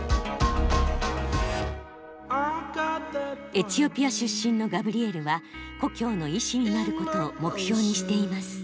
エチオピア出身のガブリエルは故郷の医師になることを目標にしています。